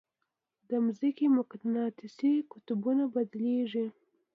د ځمکې مقناطیسي قطبونه بدلېږي.